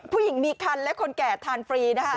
ผู้หญิงมีคันและคนแก่ทานฟรีนะคะ